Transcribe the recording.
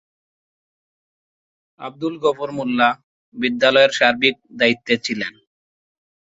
আব্দুল গফুর মোল্লা বিদ্যালয়ের সার্বিক দায়িত্বে ছিলেন।